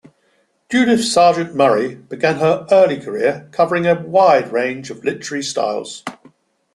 Judith Sargent Murray began her early career covering a wide range of literary styles.